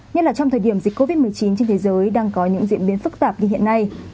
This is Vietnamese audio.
nhất là trong thời điểm dịch covid một mươi chín trên thế giới đang có những diễn biến phức tạp như hiện nay